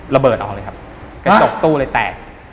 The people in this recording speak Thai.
ระเบิดออกเลยครับกระจกตู้เลยแตก